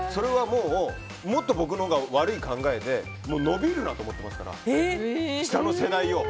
もっと僕のほうが悪い考えで伸びるなと思ってますから下の世代を。